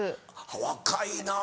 若いな。